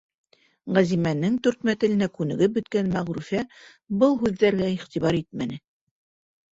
Ғәзимәнең төртмә теленә күнеп бөткән Мәғфүрә был һүҙҙәргә иғтибар итмәне.